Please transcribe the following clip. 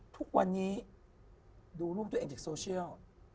ทุกวันนี้ดูรูปตัวเองจากโซเชียล